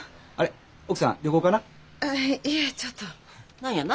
何やな？